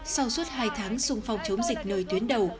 sau suốt hai tháng sung phong chống dịch nơi tuyến đầu